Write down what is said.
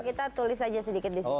atau kita tulis aja sedikit di sini